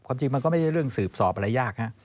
จริงมันก็ไม่ใช่เรื่องสืบสอบอะไรยากฮะ